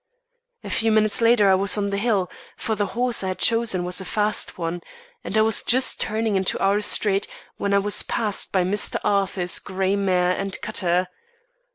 A few minutes later I was on the Hill, for the horse I had chosen was a fast one; and I was just turning into our street when I was passed by Mr. Arthur's grey mare and cutter.